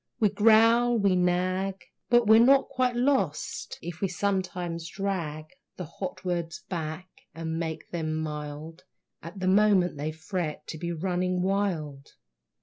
We growl, we nag, But we're not quite lost if we sometimes drag The hot words back and make them mild At the moment they fret to be running wild.